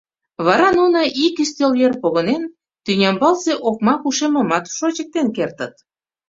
Вара нуно, ик ӱстел йыр погынен, Тӱнямбалсе Окмак Ушемымат шочыктен кертыт.